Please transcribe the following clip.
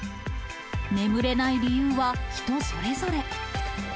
眠れない理由は人それぞれ。